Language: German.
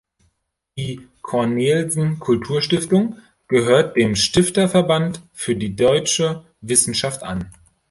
Die Cornelsen Kulturstiftung gehört dem Stifterverband für die Deutsche Wissenschaft an.